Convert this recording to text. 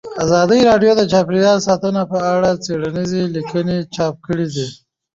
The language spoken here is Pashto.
ازادي راډیو د چاپیریال ساتنه په اړه څېړنیزې لیکنې چاپ کړي.